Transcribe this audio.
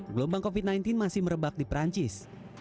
gelombang covid sembilan belas masih merebak di perancis